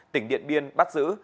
tỉnh điện biên bắt giữ